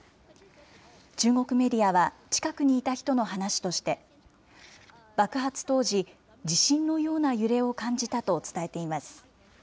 中国メディアは近くにいた人の話として、爆発当時、地震のような揺れを感じたと伝えています。